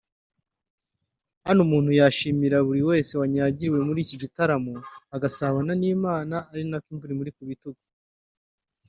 Hano umuntu yashimira buri wese wanyagiriwe muri iki gitaramo agasabana n'Imana ari nako imvura imuri ku bitugu